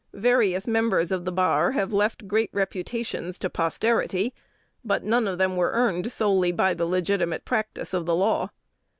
Various members of that bar have left great reputations to posterity, but none of them were earned solely by the legitimate practice of the law.